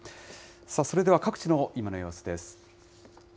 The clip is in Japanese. それでは各地の今の様子です。